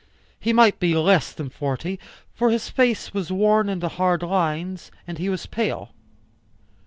He might be less than forty, for his face was worn into hard lines, and he was pale.